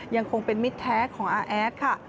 ยังคงเป็นมิตรแท้ของอาแอดค่ะ